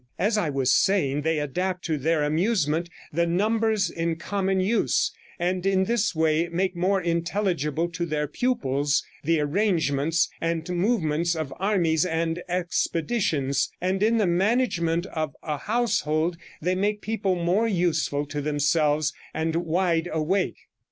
As I was saying, they adapt to their amusement the numbers in common use, and in this way make more intelligible to their pupils the arrangements and movements of armies and expeditions, and in the management of a household they make people more useful to themselves, and wide awake."